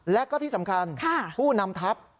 และก็ที่สำคัญผู้นำทัพ